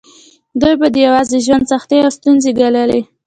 دوی به د یوازې ژوند سختې او ستونزې ګاللې.